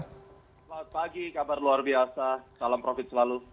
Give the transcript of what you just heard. selamat pagi kabar luar biasa salam profit selalu